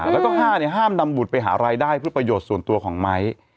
แล้วก็๕ห้ามนำบุตรไปหารายได้เพื่อประโยชน์ส่วนตัวของไม้